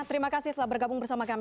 terima kasih telah bergabung bersama kami